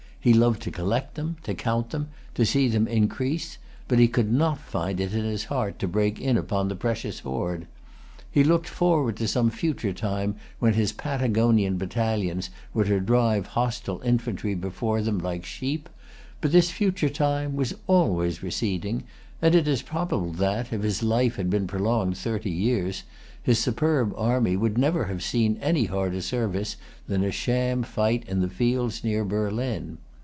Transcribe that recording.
He loved to collect them, to count them, to see them increase; but he could not find it in his heart to break in upon the precious hoard. He looked forward to some future time when his Patagonian battalions were to drive hostile infantry before them like sheep; but this future time was always receding; and it is probable that, if his life had been prolonged thirty years, his superb army would never have seen any harder service than a sham fight in the fields near Berlin.